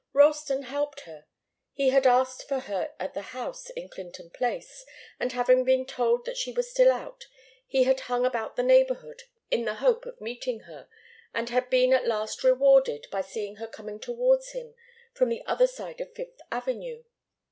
Ralston helped her. He had asked for her at the house in Clinton Place, and having been told that she was still out, he had hung about the neighbourhood in the hope of meeting her, and had been at last rewarded by seeing her coming towards him from the other side of Fifth Avenue.